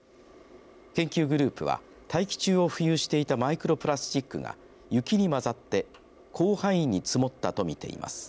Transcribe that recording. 研究グループは大気中を浮遊していたマイクロプラスチックが雪に混ざって広範囲に積もったと見ています。